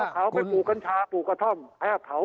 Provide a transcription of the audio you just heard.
เอาเขาไปปู่กาโชกระท่อมแห่ะเผา